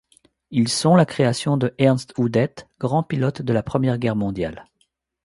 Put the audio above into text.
Ils sont la création de Ernst Udet, grand pilote de la Première Guerre mondiale.